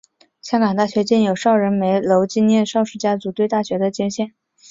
香港大学建有邵仁枚楼纪念邵氏家族对大学的捐献。